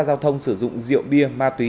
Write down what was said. giao thông sử dụng rượu bia ma túy